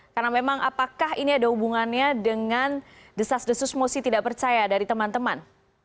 karena memang apakah ini ada hubungannya dengan desas desus mosi tidak percaya dari teman teman